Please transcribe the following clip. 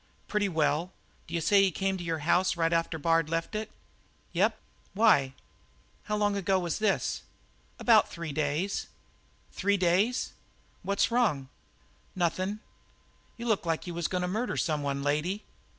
"Pretty well. D'you say he come to your house right after Bard left it?" "Yep. Why?" "How long ago was this?" "About three days." "Three days?" "What's wrong?" "Nothin'." "You look like you was goin' to murder some one, lady."